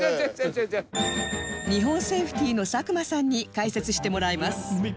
日本セイフティーの佐久間さんに解説してもらいます